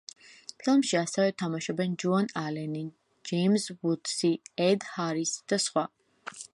ფილმში ასევე თამაშობენ ჯოან ალენი, ჯეიმზ ვუდსი, ედ ჰარისი და სხვა.